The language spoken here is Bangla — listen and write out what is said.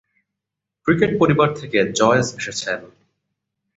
ক্রিকেট পরিবার থেকে জয়েস এসেছেন।